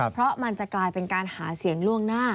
เพราะมันจะกลายเป็นการหาเสียงล่วงหน้า